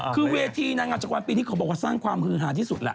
คือเวทีนางงามจักรวาลปีนี้เขาบอกว่าสร้างความฮือหาที่สุดแหละ